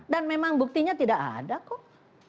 dan memang buktinya tidak ada kok